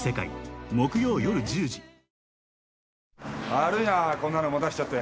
悪いなこんなの持たせちゃって。